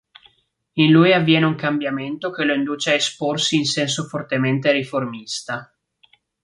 In lui avviene un cambiamento che lo induce a esporsi in senso fortemente riformista.